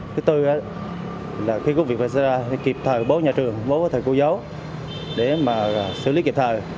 thứ tư là khi có việc xảy ra thì kịp thời bố nhà trường bố với thầy cô giáo để xử lý kịp thời